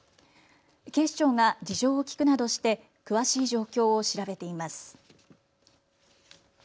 警視庁が事情を聴くなどして詳しい状況を調べています。